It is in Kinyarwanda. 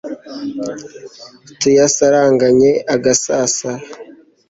tuyasaranganye agasasa